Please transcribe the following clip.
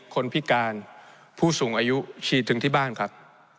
คนพิการผู้สูงอายุฉีดถึงที่บ้านครับ